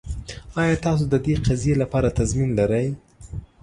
ایا تاسو د دې قضیې لپاره تضمین لرئ؟